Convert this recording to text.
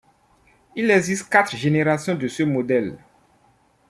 Il existe quatre générations de ce modèle.